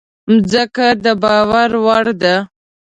مځکه د باور وړ ده.